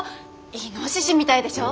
イノシシみたいでしょ？